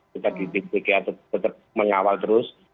kita di bpk tetap mengawal terus